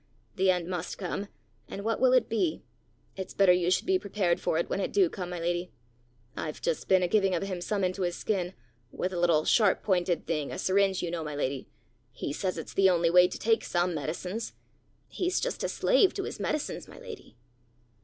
The end must come, and what will it be? It's better you should be prepared for it when it do come, my lady. I've just been a giving of him some into his skin with a little sharp pointed thing, a syringe, you know, my lady: he says it's the only way to take some medicines. He's just a slave to his medicines, my lady!"